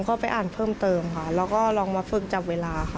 ก็ไปอ่านเพิ่มเติมค่ะแล้วก็ลองมาฝึกจับเวลาค่ะ